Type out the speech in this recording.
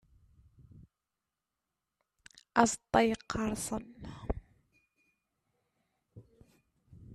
Azeṭṭa yeqqerṣen.